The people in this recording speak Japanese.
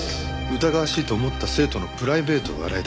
疑わしいと思った生徒のプライベートを洗い出し